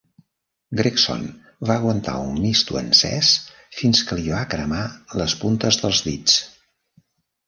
Gregson va aguantar un misto encès fins que li va cremar les puntes dels dits.